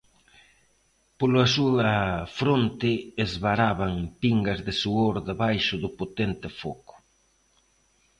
Pola súa fronte esvaraban pingas de suor debaixo do potente foco.